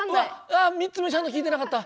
あっ３つ目ちゃんと聞いてなかった。